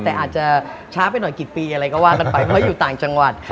แต่อาจจะช้าไปหน่อยกี่ปีอะไรก็ว่ากันไปเพราะอยู่ต่างจังหวัด